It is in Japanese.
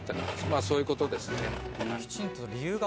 まあそういう事ですね」